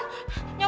ada apa tuan